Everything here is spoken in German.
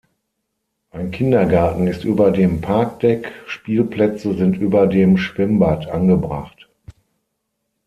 Ein Kindergarten ist über dem Parkdeck, Spielplätze sind über dem Schwimmbad angebracht.